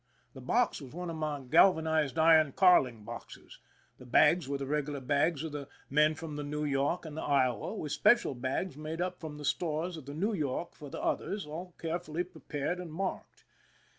The box was one of my galvanized iron carling boxes ; the bags were the regular bags of the men from the New York and the Iowa, with special bags made up from the stores of the New York for the others, all carefully prepared and marked.